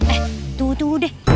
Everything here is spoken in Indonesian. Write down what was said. eh tunggu tunggu deh